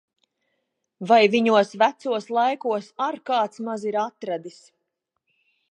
Vai viņos vecos laikos ar kāds maz ir atradis!